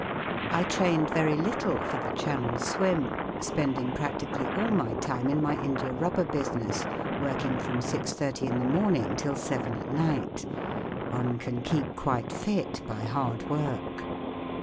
I trained very little for the Channel swim, spending practically all my time in my india rubber business, working from six thirty in the morning till seven at night* One can keep quite fit by hard work.